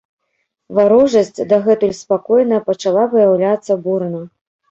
Варожасць, дагэтуль спакойная, пачала выяўляцца бурна.